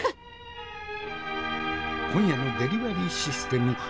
今夜のデリバリーシステム